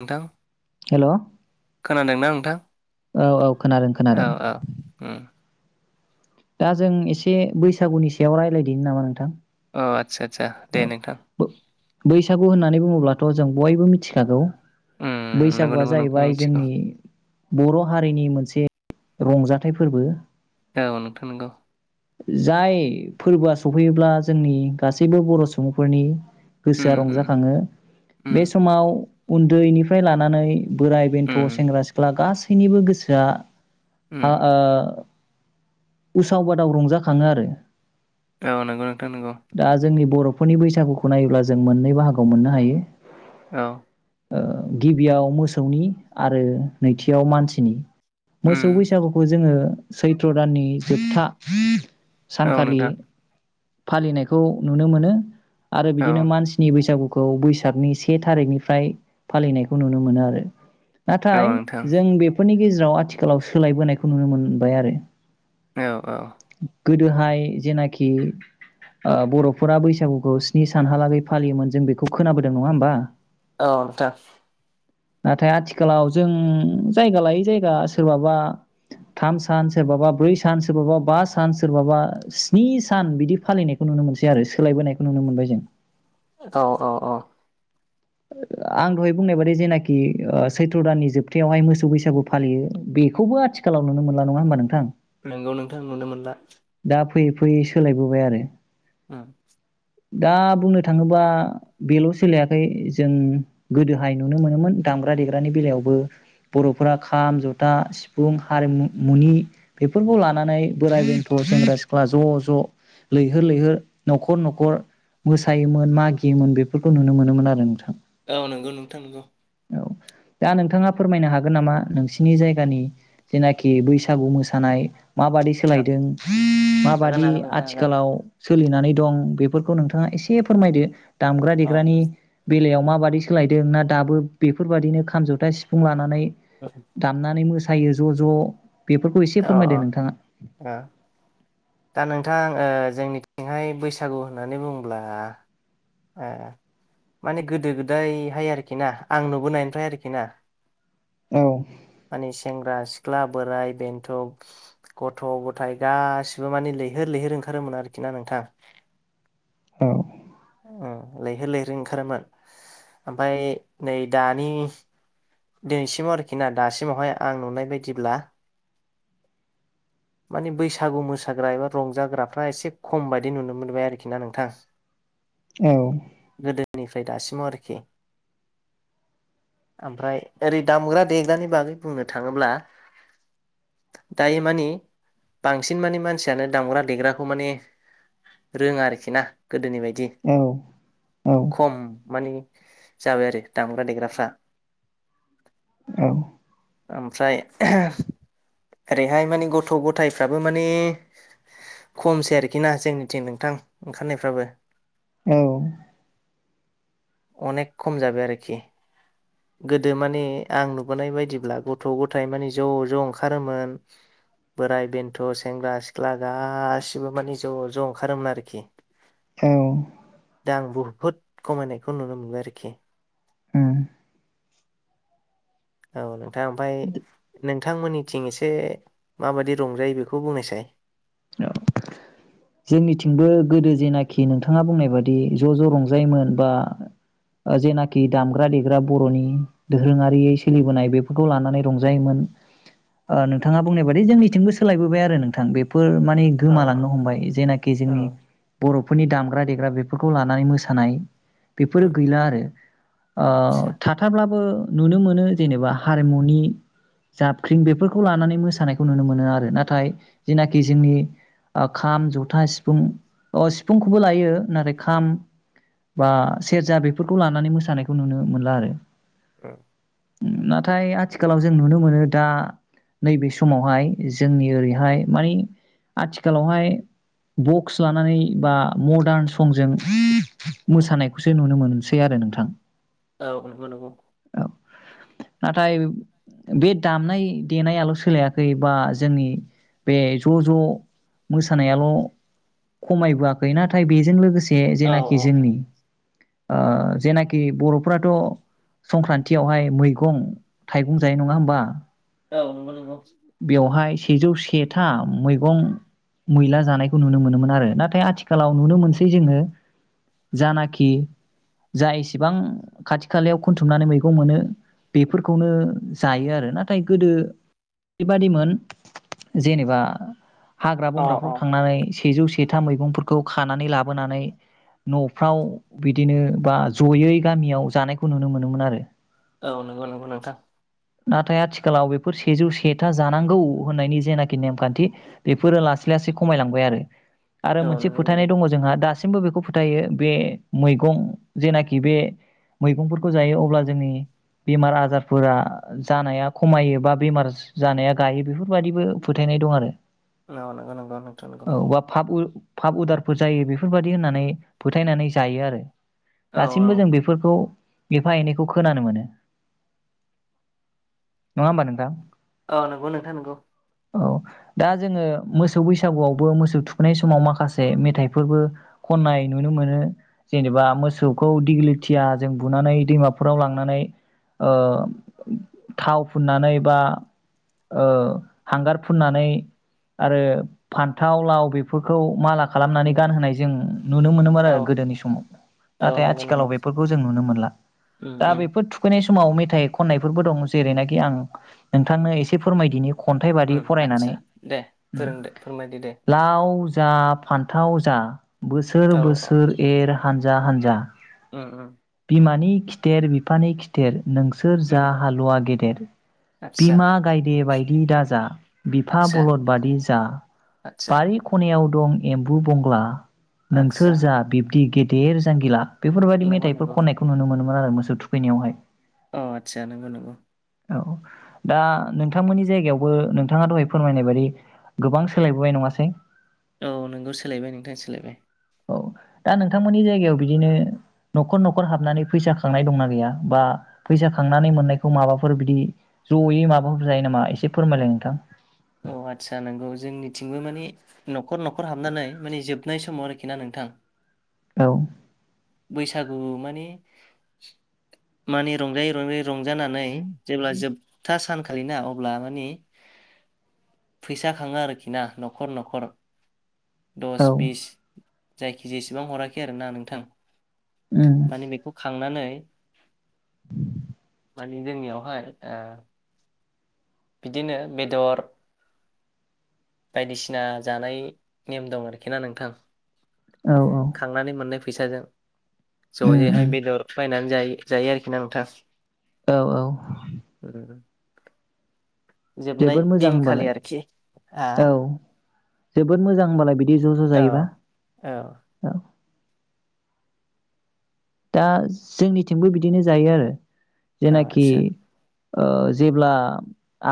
नोंथां हेल' खोनादोंना नोंथां औ-औ औ खोनादो-खोनादों। औ उम दा जों एसे बैसागुनि सायाव रायलायदिनि नामा नोंथां? अ' आदसा-आदसा दे औ नोंथां। ब्लाथ' जों बयबो मिथिखागौ उम नंगौ बैसागुआ नंगौ नोंथां जाहैबाय मिथिगौ जोंनि बर' हारिनि मोनसे रंजाथाइ फोरबो। औ नोंथां नंगौ जाय फोरबोआ सफैयोब्ला जोंनि गासैबो बर' सुबुंफोरनि उम गोसोआ उम रंजाखाङो उम बे समाव उन्दैनिफ्राय लानानै बोराइ बेन्थ' उम सेंग्रा सिख्ला गासै गासैनिबो गोसोआ उम आ आ [unintelligible] उसाव बादाव रंजाखाङो आरो। औ नंगौ नोंथां नंगौ। दा जोंनि बर'फोरनि बैसागुखौ नायोब्ला जों मोननै बाहागोआव मोननो हायो। औ। ओ गिबियाव मोसौनि आरो नैथियाव मानसिनि। उम मोसौ बैसागुखौ जोङो सैथ्र दाननि जोबथा औ सानखालि नोंथां फालिनायखौ नुनो मोनो। आरो औ बिदिनो मानसिनि बैसागु खौ बैसागनि से थारिखनिफ्राय फालिनायखौ नुनो मोनो आरो। औ नाथाय नोंथां जों बेफोरनि गेजेराव जेराव आथिखालाव सोलायबोनायखौ नुनो मोनबाय आरो। औ औ। गोदोहाय जेनाखि ओ बर'फोरा बैसागुखौ स्नि सानहालागै फालियोमोन जों बेखौ खोनाबोदों नङा होमबा? औ नोंथां। नाथाय आथिखालाव जों जायगा लायै जायगा सोरबाबा थाम सान सोरबाबा ब्रै सान सोरबाबा बा सान सोरबाबा स्नि सान बिदि फालिनायखौ नुनो मोनसै आरो सोलायबोनायखौ नुनो मोनबाय जों। औ औ औ। आं दहाय बुंनाय बादै जेनाखि सैथ्र' दाननि जोबथायावहाय मोसौ बैसागु फालियो बेखौबो आथिखालाव नुनो मोनला नङा होमबा नोंथां? नोंगौ नोंथां नुनो मोनला। दा फैयै फैयै सोलायबोबाय आरो। ओ। दा बुंनो थाङोबा बेल' सोलायाखै जों गोदोहाय नुनो मोनोमोन दामग्रा देग्रानि बेलायावबो बर'फोरा खाम जथा सिफुं हारिमु मुनि बेफोरखौ लानानै बोराइ बेन्थ' सेंग्रा सिख्ला ज' ज' लैहोर लैहोर न'खर न'खर मोसायोमोन मागियोमोन बेफोरखौ नुनो मोनोमोन आरो नोंथां। औ नंगौ नोंथां नोंगौ। औ दा नोंथाङा फोरमायनो हागोन नामा नोंसिनि जायगानि जेनाखि बैसागु मोसानाय माबादि सोलायदों हागोन माबादि हागोन नोंथां हागोन आथिखालाव सोलिनानै दं बेफोरखौ नोंथाङा एसे फोरमायदो? दामग्रा औ देग्रानि बेलायाव माबादि सोलायदों ना दाबो बेफोरबायाददिनो खामजथा सिफुं लानानै दामनानै मोस थायायो ज' ज'- बेफोरखौ एसे अ फोरमायदो नोंथाङा अ दा नोंथां ओ जोंनिथिंहाय बैसागु होननानै बुङोब्लामाने गोदो गोदायहाय आरोखि ना आं नुबोनायनिफ्राय आरोखि ना औ। माने सेंग्रा सिख्ला बोराइ बेन्थ' गथ' गथाय गासिबो माने लैहोर लैहोर ओंखारोमोन आरोखि ना नोंथां। ओ लैहोर लैहोर ओंखारोमोन ओमफय नै दानि दिनैसिमाव आरोखि ना दासिमावहाय आं नुनाय बायदिब्ला मानि बैसागु मोसाग्रा एबा रंजाग्राफ्रा एसे खम बायदि नुनो मोनबाय आरोखि ना नोंथां। ओं। गोदोनिफ्राय दासिमाव आरोखि ओमफ्राय ओरै दामग्रा देग्रानि बागै बुंनो थाङोब्ला दायो मानि बांसिन माने मानसियानो दामग्रा देग्राखौ माने रोङा आरोखि ना गोदोनि बाय दि औ खम मानि जाबाय आरो दामग्रा देग्राफ्रा। ओम। ओमफ्राय ओरैहाय माने गथ' ग थायफ्राबो माने खमसै आरोखि ना जोंनिथिं नोंथां ओंखारनायफ्राबो ओम। अनेक खम जाबाय आरोखि गोदो माने आं नुबोनाय बायदिब्ला गथ' गथाय माने ज' ज' ओंखारोमोन बोराय बेन्थ' सेंग्रा सिख्ला गासिबो माने ज' ज' ओंखारोमोन आरोखि औ दा आं बहुद खमायनायखौ नुनो मोनबाय आरोखि उम औ नोंथां ओमाय नोंथांमोननिथिं एसे माबादि रंजायो बेखौ बुंनायसाय। जोंनिथिंबो गोदो जेनाखि नोंथाङा बुंनाय बादि ज' ज' रंजायोमोन बा जेनाखि दामग्रा देग्रा बर'नि दोरोङारि सोलिबोनाय बेफोरखौ लानानै रंजायोमोन ओ नोंथाङा बुंनाय बादि जोंनिथिंबो सोलायबोबाय आरो नोंथां बेफोर‌ माने अ गोमालांनो हमबाय जेनाखि औ जोंनि ओ बर'फोरनि दामग्रा दे ग्रा बेफोरखौ लानानै मोसानाय बेफोरो गैला आरो आतसा ओ थाथाब्लाबो नुनो मोनो जेनेबा हारिमुनि जाबख्रिं बेफोरखौ लानानै मोसानायखौ नुनो मोनो आरो नाथाय जेनाखि जोंनि खाम ज था सिफुं अ सिफुंखौबो लायो नाथाय खाम बा सेरजा बेफोरखौ लानानै मोसानायखौ नुनो मोनला आरो। ओ। ओम नाथाय आथिखालाव जों नुनो मोनो दा नैबे समावहाय जोंनि ओरैहाय मानि आथिखालावहाय बक्स लानानै बा मदार्न संजों मोसानायखौसो नुनो मोनसै आरो नोंथां। औ नंगौ नंगौ। औ नाथाय बे दामनाय देनायाल' सोलायाखै बा जोंनि बे ज' ज' मोसानायाल' खमायबोआखै नाथाय बेजों लोगोसे ज औ औ जेनाखि जोंनि ओ जेनाखि बर'फथ' संक्रान्तियावहाय मैगं थाइगं जायो नङा होमबा? औ नोंगौ नोंगौ। बेवहाय सेजौ से था मैगं मैला जानाय खौ नुनो मोनोमोन आरो नाथाय आथिखालाव नुनो मोनसै जोङो जानाखि जा एसेबां खाथि खालायाव खोनथुमनानै मैगं मोनो बेफोरखौनो जायो आरो नाथाय गोदो बेबादिमोन जेनेबा हाग्रा अ बंग्राफ्राव अ थांनानै सेजौ सेथा मैगंफोरखौ खानानै लाबोनानै न'फ्राव बिदिनो बा जयै गामियाव जानायखौ नुनो मोनोमोन आरो। औ नोंगौ नोंगौ नोंथां। नाथाय आथिखालाव बेफोर सेजौ सेथा जानांगौ होननायनि जेनाखि नेमखान्थि बेफोरो लासै लासै खमायलांबाय आरो। आरो औ मोनसे नंगौ नंगौ फोथायनाय दङ जोंहा दास दासिमबो बेखौ फोथायो बे मैगं जेनाखि बे मैगंफोरखौ जायो अब्ला जोंनि बेमार आजारफोरा जानाया खमायो बा बेमार जानाया गायो बेफोरबादिबो फोथायनाय दं आरो। औ नंगौ नंगौ नों औ बा फाब उ फाब उदारफोर जायो बेफोरबादि होननानै फोथायनानै जायो आरो। औ औ दासिमबो जों बेफोरखौ एफा एनैखौ खोनानो मोनो नङा होमबा नोंथां? औ नंगौ नोंथां नंगौ। औ दा जोङो मोसौ बैसागुआव बो मोसौ थुखैनाय समाव माखासे मेथाइफोरबो खननाय नुनो मोनो जेनेबा मोसौखौ दिग्लिथिया जों बुनानै दैमाफोराव लांनानै ओ थाव फुननानै बा ओ हांगार फुननानै आरो फान थाव लाव बेफोरखौ माला खालामनानै उम गानहोनाय जों नुनो मोनोमोन औ आरो गोदोनि समाव औ नाथाय नंगौ आथिखालाव नंगौ बेफोरखौ जों नुनो मोनला उम दा उम बेफोर थुखैनाय सम समाव मेथाइ खननायफोरबो दं जेरैनाखि आं नोंथांनो एसे फोरमायदिनि खन्थाइ बादि ओम आदसा फरायनानै दे फोरोंदो फोरमायदि दे थाव जा फान्थाव जा बोसोर औ बोसोर एर हानजा हानजा ओम ओम। बिमानि खिथेर बिफानि खिथेर नोंसोर जा उम हालुवा गेदेर आतसा बिमा गायदे बायदि दाजा बिफा आतसा बलद बादि जा। आतसा बारि खनायाव दं एम्बु बंला आतसा नोंसोर जा बि बिदि गेदेर जांगिला। बेफोरबायदि नंगौ मेथाइफोर नंगौ खननायखौ नुनो मोनो माहोनो मोसौ थुखैनायावहाय। अ आतसा नंगौ नंगौ। औ दा नोंथांमोननि जायगायावबो नोंथाङा दहाय फोरमायनाय बादि गोबां सोलायबोबाय नङा से [unintelligible] औ नोंगौ सोलायबाय नोंथां सोलायबाय। औ दा नोंथांमोननि जायगायाव बिदिनो न'खर न'खर हाबनानै फैसा खांनाय दंना गैया बा फैसा खांनानै मोननायखौ माबाफोर बिदि जयै माबाफोर जायो नामा एसे फोरमायलाय नोंथां। अ आदसा नंगौ जोंनिथिंबो माने न'खर न'खर हाबनानै माने जोबनाय समाव ना नोंथां। औ। बैसागु माने माने रंजायै रंजायै रंजानानै जेब्ला जोबथा सानखालिना अब्ला माने फैसा खाङो आरोखि ना न'खर न'खर औ दस बिस जायखि जेसेबां हराखै आरो ना नोंथां। उम माने बेखौ खांनानै [unintelligible] माने जोंनियावहाय ओ बिदिनो बेदर बायदिसिना जानाय नेम दं आरोखि ना नोंथां। औ औ खांनानै मोननाय फैसाजों। उम जयैहाय उम बेदर बायनानै। जायो आरोखि ना नोंथां। औ औ। जोबनाय जोबोद मोजां दिनखालि होनबालाय आरोखि आ औ जोबोद मोजां होनबालाय बिदि ज' ज' औ जायोबा औ। दा जोंनिथिंबो बिदिनो जायो आरो औ जेनाखि आदसा ओ जेब्ला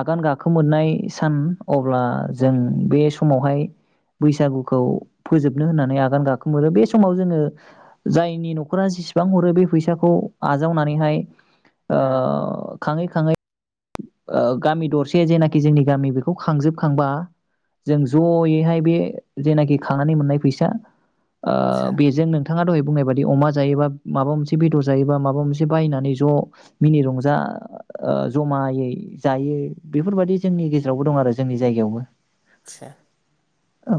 आगान गाखो मोननाय सान अब्ला जों उम बे समावहाय बैसागुखौ फोजोबनो होननानै आगान गाखोमोरो बे समाव जोङो जायनि नख नखरा जेसेबां हरो बे फैसाखौ आजावनानैहाय ओ खाङै खाङै ओ गामि दरसे जेनाखि जोंनि गामि बेखौ खांजोबखांबा जों जयैहाय बे जेनाखि खांनानै मोननाय फैसा ओ आदसा बेजों नोंथां बिथाङा दहाय बुंनाय बादि अमा जायोबा माबा मोनसे बेदर जायोबा माबा मोनसे बायनानै ज' मिनि रंजा ओ जमायै जायो बेफोरबायदि जोंनि गेजेरावबो दं आरो जोंनि जायगायावबो। [unintelligible] औ।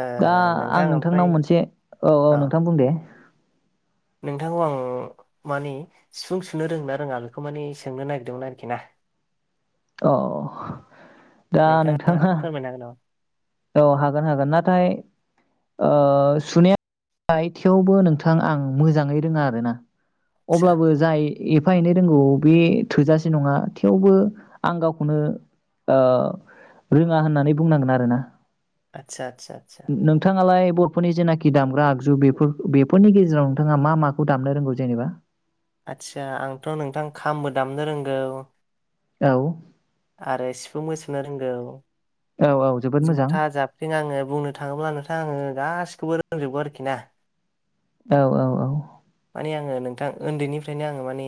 ओ दा आं नोंथां नोंथांनाव ओमफ्राय मोनसे औ औ नोंथां बुं दे। नोंथांखौ आं माने सिफुं सुनो रोङोना रोङा बेखौ माने सोंनो नागिरदोंमोन आरोखि ना। औ। नोंथाङा फोरमायो हागोन नामा? औ हागोन हागोन नाथाय ओ सुनाया थयावबो नोंथां आं मोजाङै रोङा आरो ना। आदसा अब्लाबो जाय एफा एनै रोंगौ बे थोजासे नङा थेवबो आं गावखौनो ओ रोङा होननानै बुंनांगोन आरोना। आतसा आतसा आतसा। नोंथाङालाय बर'फोरनि जेनाखि दामग्रा आगजु बेफोर बेफोरनि गेजेराव नोंथाङा मा माखौ दामनो रोंगौ जेनेबा? आदसा आंथ नोंथां खामबो दामनो रोंगौ। औ। आरो सिफुंबो सुनो रोंगौ। औ औ जोबोद मोजां जुथा जाबफख्रिं आङो बुंनो थाङोब्ला नोंथां आङो गासि खौबो रोंजोबगौ आरोखि ना औ औ औ माने आङो नोंथां उन्दैनिफ्रायनो आङो माने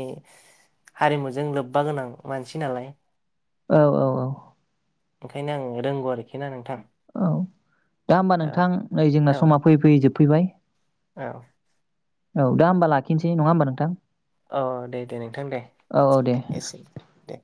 हारिमुजों लोब्बा गोनां मानसि नालाय औ औ औ ओंखायनो आं रोंगौ आरोखि ना नोंथां औ दा होमबा औ नोंथां नै जोंना औ समा फैयै फैयै जोबफैबाय फैबाय औ औ दा होमबा लाखिनोसै नङा होमबा नोंथां औ दे दे नोंथां दे औ औ दे एसेनो दे